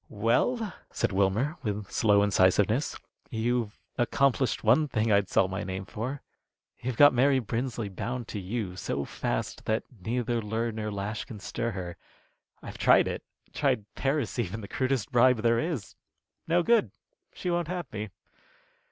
"Well," said Wilmer, with slow incisiveness, "you've accomplished one thing I'd sell my name for. You've got Mary Brinsley bound to you so fast that neither lure nor lash can stir her. I've tried it tried Paris even, the crudest bribe there is. No good! She won't have me."